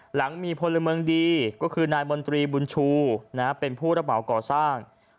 หลังมีพลเมืองดีก็คือนายมนตรีบุญชูเป็นผู้ระเหมาก่อสร้าง